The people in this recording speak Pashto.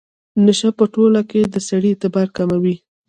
نشه په ټولنه کې د سړي اعتبار کموي.